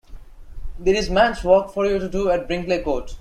There is man's work for you to do at Brinkley Court.